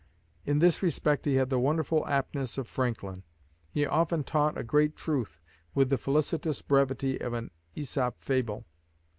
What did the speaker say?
In this respect he had the wonderful aptness of Franklin. He often taught a great truth with the felicitous brevity of an Aesop fable.